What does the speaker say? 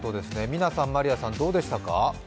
みなさん、まりあさんどうでしたか？